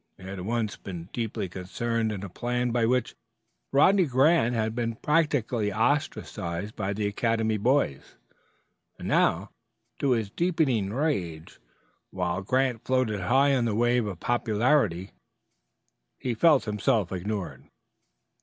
He had once been deeply concerned in a plan by which Rodney Grant had been practically ostracized by the academy boys, and now, to his deepening rage, while Grant floated high on the wave of popularity, he found himself ignored.